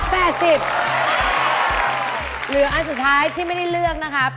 เหลืออันสุดท้ายที่ไม่ได้เลือกนะครับ